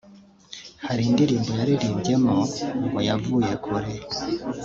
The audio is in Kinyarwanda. Hari indirimbo yaririmbyemo ngo yavuye kure